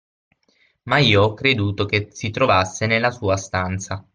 Ma io ho creduto che si trovasse nella sua stanza.